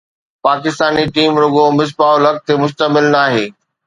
Pakistani team رڳو مصباح الحق تي مشتمل ناهي